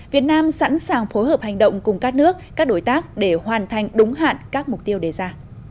việt nam sẵn sàng phối hợp hành động cùng các nước các đối tác để hoàn thành đúng hạn các mục tiêu đề ra